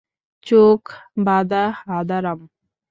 চোখ বাঁধা হাঁদারাম?